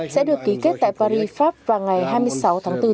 sẽ được ký kết tại paris pháp vào ngày hai mươi sáu tháng bốn